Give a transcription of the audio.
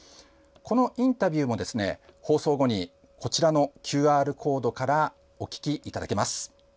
このインタビューも放送後にこちらのＱＲコードからお聴きいただけます。